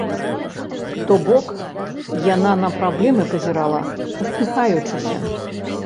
То бок, яна на праблемы пазірала, усміхаючыся.